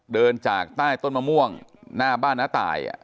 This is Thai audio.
เดินจากใต้ต้นมะม่วงหน้าบ้านน้าตาย